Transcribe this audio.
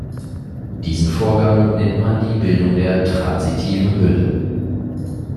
Diesen Vorgang nennt man die Bildung der transitiven Hülle.